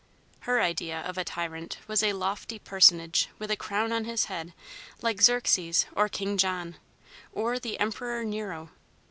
Her idea of a tyrant was a lofty personage with a crown on his head, like Xerxes, or King John, or the Emperor Nero.